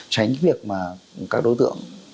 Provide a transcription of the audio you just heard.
tránh việc mà các đối tượng